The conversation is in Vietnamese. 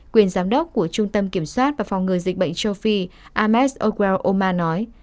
quyền giám đốc của trung tâm kiểm soát và phòng ngừa dịch bệnh châu phi ames oqr oma nói